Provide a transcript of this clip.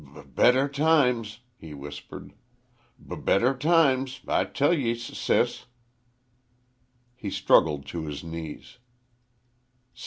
"B better times!" he whispered. "B better times, I tell ye, s sis!" He struggled to his knees.